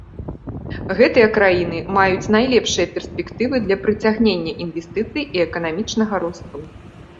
Гэтыя краіны маюць найлепшыя перспектывы для прыцягнення інвестыцый і эканамічнага росту.